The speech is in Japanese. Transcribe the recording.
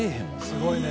すごいね。